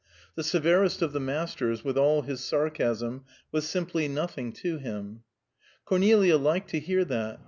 The severest of the masters, with all his sarcasm, was simply nothing to him. Cornelia liked to hear that.